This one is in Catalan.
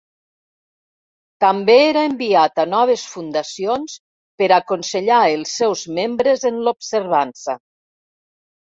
També era enviat a noves fundacions per a aconsellar els seus membres en l'observança.